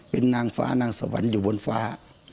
เป็นนางฟ้านางสวรรค์อยู่บนฟ้า